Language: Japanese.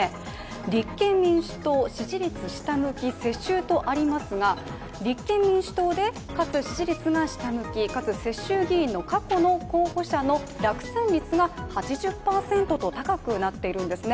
立憲民主党、支持率下向き、世襲とありますが立憲民主党でかつ支持率が下向きかつ世襲議員の過去の候補者の落選率が８０％と高くなっているんですね。